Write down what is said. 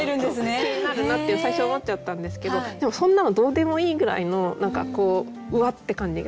気になるなって最初思っちゃったんですけどでもそんなのどうでもいいぐらいの何かこううわって感じが。